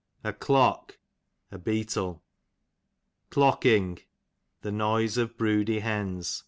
A Clock, a beetle. Clocking, the noise of broody hens.